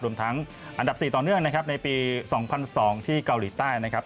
รวมทั้งอันดับ๔ต่อเนื่องนะครับในปี๒๐๐๒ที่เกาหลีใต้นะครับ